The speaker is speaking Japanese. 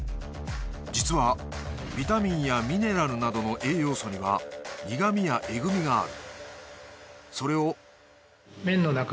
実はビタミンやミネラルなどの栄養素には苦味やえぐみがある。